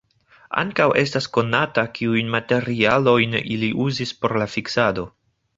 Ankaŭ estas konata, kiujn materialojn ili uzis por la fiksado.